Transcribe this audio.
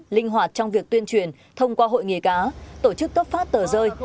linh hoạt trong việc tuyên truyền thông qua hội nghề cá tổ chức cấp phát tờ rơi